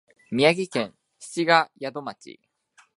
宮城県七ヶ宿町